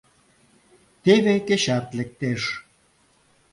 Теве кечат лектеш.